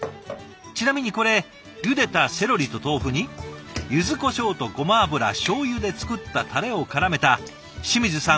ちなみにこれゆでたセロリと豆腐にゆずこしょうとごま油しょうゆで作ったたれをからめた清水さん